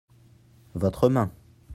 votre main.